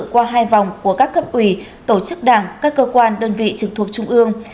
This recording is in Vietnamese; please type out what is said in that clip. qua hai vòng của các cấp ủy tổ chức đảng các cơ quan đơn vị trực thuộc trung ương